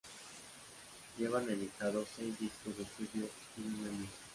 Llevan editados seis discos de estudio y uno en vivo.